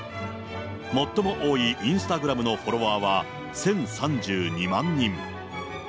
最も多いインスタグラムのフォロワーは１０３２万人。